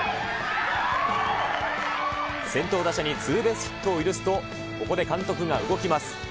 先頭打者にツーベースヒットを許すと、ここで監督が動きます。